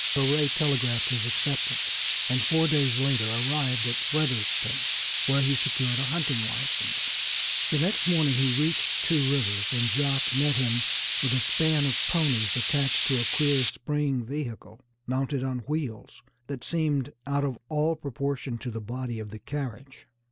So Ray telegraphed his acceptance, and four days later arrived at Fredericton, where he secured a hunting license. The next morning he reached Two Rivers, and Jacques met him with a span of ponies, attached to a queer spring vehicle, mounted on wheels that seemed out of all proportion to the body of the carriage.